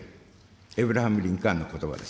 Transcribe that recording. エブラハム・リンカーンのことばです。